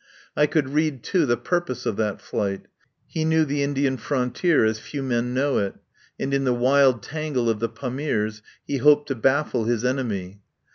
I could read, too, the purpose of that flight. He knew the Indian frontier as few men know it, and in the wild tangle of the Pamirs he hoped to baffle his enemy.